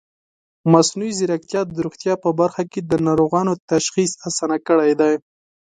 مصنوعي ځیرکتیا د روغتیا په برخه کې د ناروغانو تشخیص اسانه کړی دی.